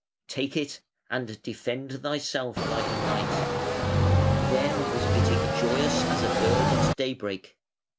Take it and defend thyself like a knight". Then was Witig joyous as a bird at daybreak.